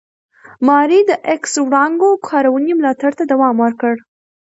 ماري د ایکس وړانګو کارونې ملاتړ ته دوام ورکړ.